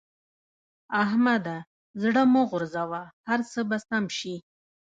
احمده! زړه مه غورځوه؛ هر څه به سم شي.